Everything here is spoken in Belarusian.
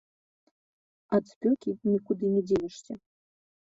Ад спёкі нікуды не дзенешся.